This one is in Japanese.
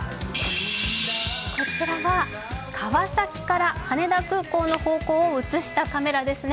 こちらは川崎から羽田空港の方向を映したカメラですね。